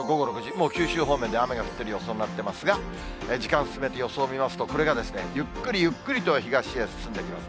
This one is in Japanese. もう九州方面で雨が降ってる予想になってますが、時間進めて予想を見ますと、これがゆっくりゆっくりと東へ進んできます。